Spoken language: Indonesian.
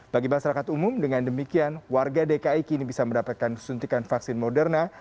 bagi masyarakat umum dengan demikian warga dki kini bisa mendapatkan suntikan vaksin moderna